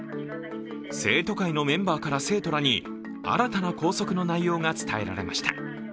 生徒会のメンバーから生徒らに新たな校則の内容が伝えられました。